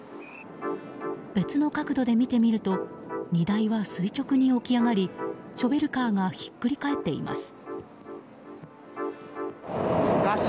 別の角度で見てみると荷台は垂直に起き上がりショベルカーがひっくり返っています。